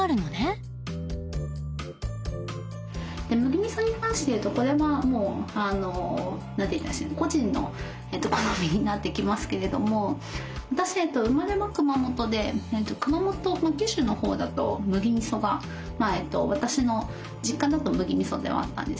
麦みそに関して言うとこれはもう個人の好みになってきますけれども私生まれは熊本で九州の方だと麦みそが私の実家だと麦みそではあったんですね。